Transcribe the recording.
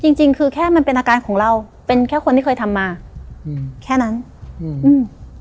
จริงจริงคือแค่มันเป็นอาการของเราเป็นแค่คนที่เคยทำมาอืมแค่นั้นอืมอืม